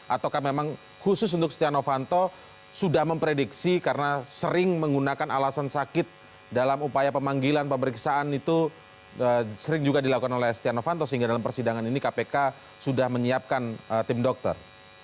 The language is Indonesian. ataukah memang khusus untuk stiano fanto sudah memprediksi karena sering menggunakan alasan sakit dalam upaya pemanggilan pemeriksaan itu sering juga dilakukan oleh stiano fanto sehingga dalam persidangan ini kpk sudah menyiapkan tim dokter